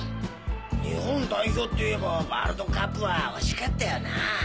日本代表っていえばワールドカップは惜しかったよなぁ。